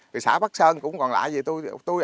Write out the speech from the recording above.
rồi xã bắc sơn cũng còn lạ gì tôi